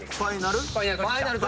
ファイナル？